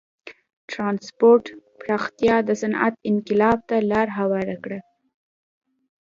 د ټرانسپورت پراختیا د صنعت انقلاب ته لار هواره کړه.